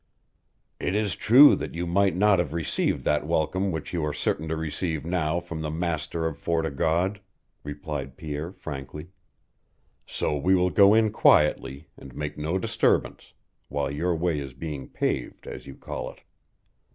"It is true that you might not have received that welcome which you are certain to receive now from the master of Fort o' God," replied Pierre, frankly. "So we will go in quietly, and make no disturbance, while your way is being paved, as you call it."